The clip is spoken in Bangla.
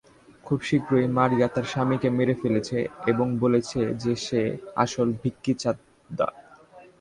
খুব শীঘ্রই, মারিয়া তার স্বামীকে মেরে ফেলেছে এবং বলেছে যে সে আসল ভিকি চাদ্ধা।